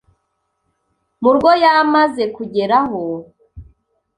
mu rwo yamaze kugeraho